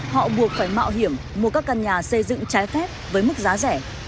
họ buộc phải mạo hiểm mua các căn nhà xây dựng trái phép với mức giá rẻ